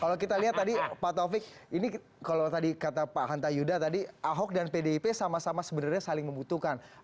kalau kita lihat tadi pak taufik ini kalau tadi kata pak hanta yuda tadi ahok dan pdip sama sama sebenarnya saling membutuhkan